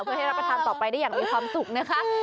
เพื่อให้รับประทานต่อไปได้อย่างมีความสุขนะคะ